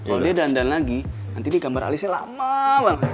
kalau dia dandan lagi nanti ini gambar alisnya lama banget